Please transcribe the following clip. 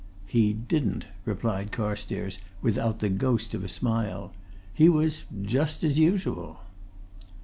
"He didn't," replied Carstairs, without the ghost of a smile. "He was just as usual."